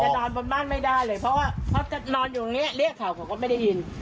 นอนบนบ้านไม่ได้เลยเพราะว่าเขาจะนอนอยู่ตรงนี้เรียกเขาเขาก็ไม่ได้ยิน